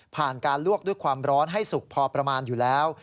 การลวกด้วยความร้อนให้สุกพอประมาณอยู่แล้ว